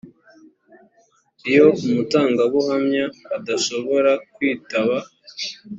iyo umutangabuhamya adashobora kwitaba